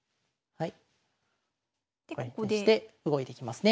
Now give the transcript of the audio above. はい。